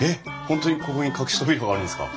本当にここに隠し扉があるんですか？